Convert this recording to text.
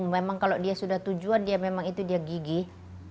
memang kalau dia sudah tujuan dia memang itu dia gigih